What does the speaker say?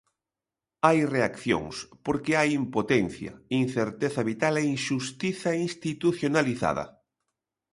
Hai reaccións, porque hai impotencia, incerteza vital e inxustiza institucionalizada.